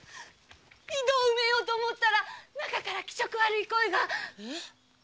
井戸を埋めようと思ったら中から気色悪い声が。え？